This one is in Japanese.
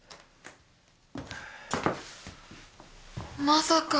まさか。